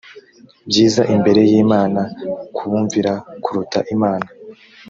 byiza imbere y imana kubumvira kuruta imana